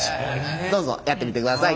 どうぞやってみてください。